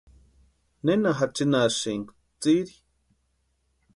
¿Nena jatsinnhasïnki tsiri?